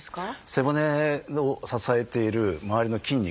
背骨を支えている周りの筋肉。